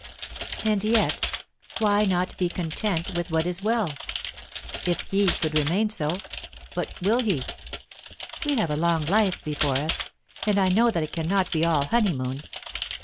"And yet why not be content with what is well? If he could remain so; but will he? We have a long life before us, and I know that it cannot be all honeymoon."